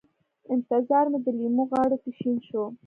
انتظار مې د لېمو غاړو کې شین شو